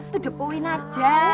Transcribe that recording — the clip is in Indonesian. tudup uin aja